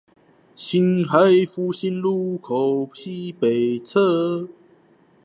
辛亥復興路口西北側